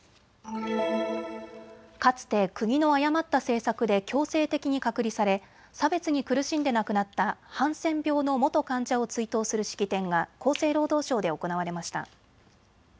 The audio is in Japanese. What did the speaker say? かつて、国の誤った政策で強制的に隔離され差別に苦しんで亡くなったハンセン病の元患者を追悼する式典が厚生労働省で行われました。